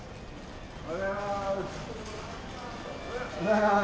おはようございます。